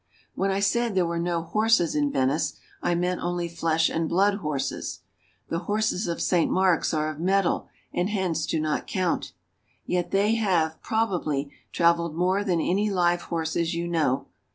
When I said there were no horses in Venice I meant only flesh and blood horses. The horses of St. Mark's are of metal and hence do not count. Yet they have, probably, traveled more than any live horses you know.